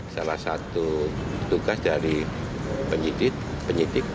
salah satu tugas dari penyidik penyidik